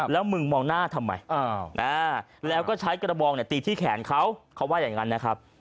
แล้วมึงมองหน้าทำไมแล้วก็ใช้กระบองตีที่แขนเขาเขาว่าอย่างนั้นนะครับ